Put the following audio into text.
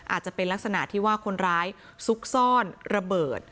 อาจจะเป็นลักษณะที่ว่าคนร้ายซุกซ่อนระเบิด